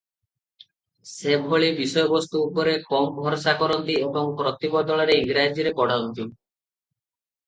ସେ ଏଭଳି ବିଷୟବସ୍ତୁ ଉପରେ କମ ଭରସା କରନ୍ତି ଏବଂ ପ୍ରତିବଦଳରେ ଇଂରାଜୀରେ ପଢ଼ନ୍ତି ।